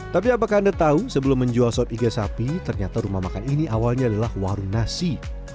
tapi apakah anda tahu sebelum menjual sop iga sapi ternyata rumah makan ini awalnya adalah warung nasi